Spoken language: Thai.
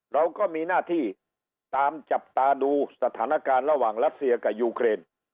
เราก็มีหน้าที่ตามจับตาดูสถานการณ์ระหว่างรัสเซียกับยูเครน